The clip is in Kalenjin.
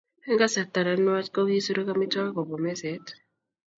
Eng kasarta ne nwach ko kisuruk amitwogik kobwa meset